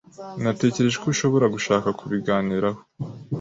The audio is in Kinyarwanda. Natekereje ko ushobora gushaka kubiganiraho.